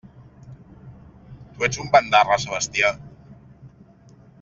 Tu ets un bandarra, Sebastià!